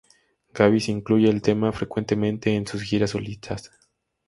Gabis incluye el tema frecuentemente en sus giras solistas.